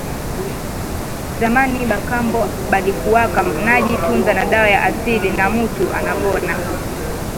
Zamani ba kambo balikuwaka naji tunza na dawa ya asili na mutu anapona